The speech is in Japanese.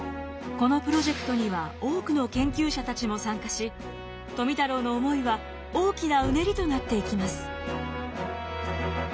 このプロジェクトには多くの研究者たちも参加し富太郎の思いは大きなうねりとなっていきます。